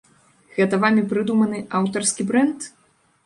Гэта вамі прыдуманы аўтарскі брэнд?